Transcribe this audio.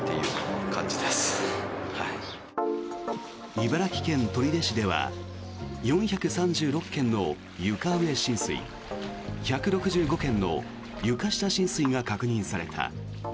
茨城県取手市では４３６件の床上浸水１６５件の床下浸水が確認された。